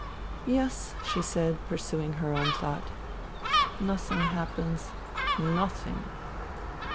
" Yes," she said, pursuing her own thought. " Nothing happens. Nothing